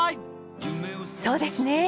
そうですね。